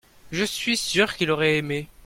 je suis sûr qu'il aurait aimé.